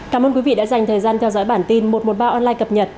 cảm ơn quý vị đã dành thời gian theo dõi bản tin một trăm một mươi ba online cập nhật